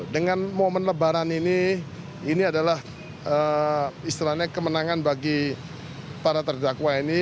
dengan momen lebaran ini ini adalah istilahnya kemenangan bagi para terdakwa ini